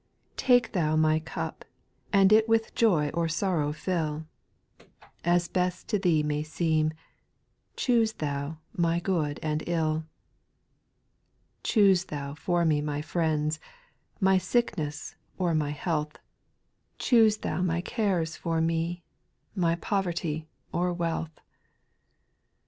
5 Take Thou my cup, and it "With joy or sorrow fill ; As best to Thee may seem, Choose Thou my good and ilL 6. Choose Thou for me my friends, My sickness or mr health ;^ 24* I 282 SPIRITUAL SONGS. Choose Thou my cares for me, My poverty or wealth.